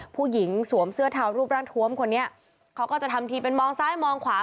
สวมเสื้อเทารูปร่างทวมคนนี้เขาก็จะทำทีเป็นมองซ้ายมองขวา